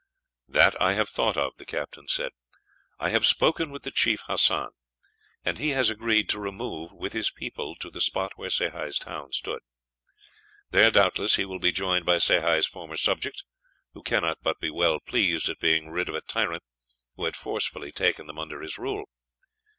"That I have thought of," the captain said. "I have spoken with the chief Hassan, and he has agreed to remove with his people to the spot where Sehi's town stood. There, doubtless, he will be joined by Sehi's former subjects, who cannot but be well pleased at being rid of a tyrant who had forcibly taken them under his rule.